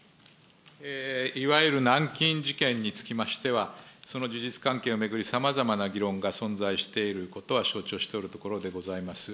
いわゆる南京事件につきましては、その事実関係を巡り、さまざまな議論が存在していることは承知をしておるところでございます。